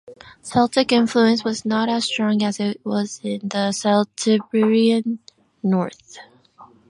Celtic influence was not as strong as it was in the Celtiberian north.